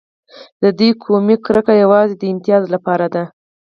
د دوی قومي کرکه یوازې د امتیاز لپاره ده.